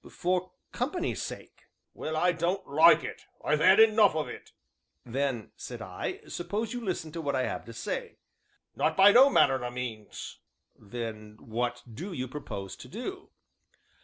"For company's sake." "Well, I don't like it; I've 'ad enough of it." "Then," said I, "suppose you listen to what I have to say?" "Not by no manner o' means." "Then what do you propose to do?"